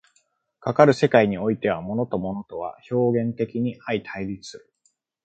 かかる世界においては、物と物は表現的に相対立する。